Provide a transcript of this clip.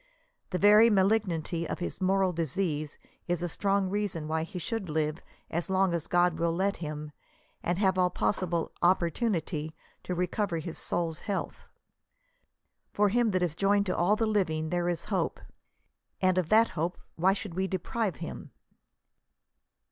The very malignity of his moral disease is a strong reason why he should live as long as God will let him, and have all possible opportunity to recover his soul's health. For to him that is joined to all the living there is hope," and of that hope why should we deprive him?